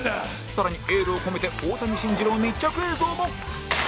更にエールを込めて大谷晋二郎密着映像も